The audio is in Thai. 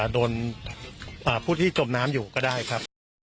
โดนผู้ที่จมน้ำอยู่ก็ได้ครับ